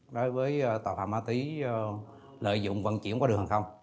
đối với tội phạm ma túy lợi dụng vận chuyển qua đường hàng không